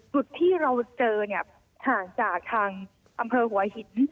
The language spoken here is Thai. จุดที่เราเจอเนี่ยห่างจากทางอำเภอหัวหิน